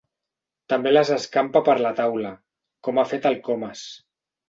També les escampa per la taula, com ha fet el Comas.